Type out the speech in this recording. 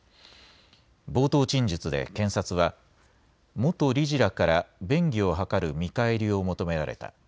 冒頭陳述で検察は元理事らから便宜を図る見返りを求められた。